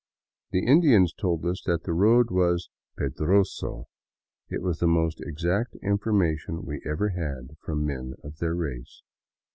The Indians told us the road was pedroso. It was the most exact information we ever had from men of their race.